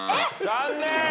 残念。